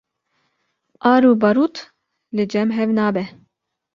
Ar û barût li cem hev nabe